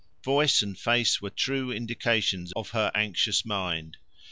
Voice and face were true indications of her anxious mind.